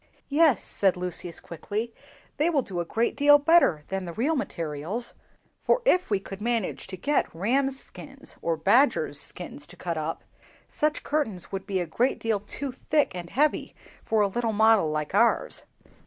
"Yes," said Lucius, quickly, "they will do a great deal better than the real materials; for if we could manage to get rams' skins or badgers' skins to cut up, such curtains would be a great deal too thick and heavy for a little model like ours.